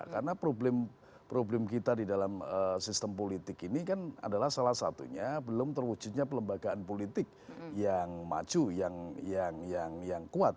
karena problem kita di dalam sistem politik ini kan adalah salah satunya belum terwujudnya pelembagaan politik yang maju yang kuat